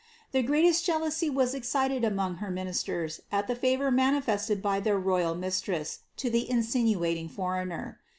The greatest jealousy was eicited among her ministen at the favour manifested by their royal mistress to the insinuating foreigner.